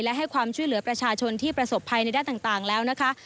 และให้ความช่วยเหลือประชาชนที่ประสบภัยในด้านต่างแล้วนะคะ